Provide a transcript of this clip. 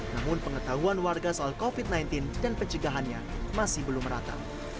namun pengetahuan warga soal covid sembilan belas dan pencegahannya masih belum rata